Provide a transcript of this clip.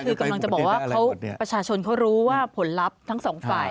คือกำลังจะบอกว่าประชาชนเขารู้ว่าผลลัพธ์ทั้งสองฝ่าย